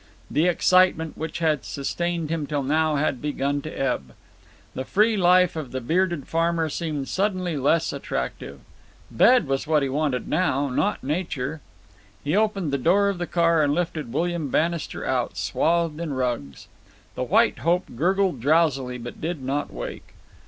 The excitement which had sustained him till now had begun to ebb. The free life of the bearded farmer seemed suddenly less attractive. Bed was what he wanted now, not nature. He opened the door of the car and lifted William Bannister out, swathed in rugs. The White Hope gurgled drowsily, but did not wake.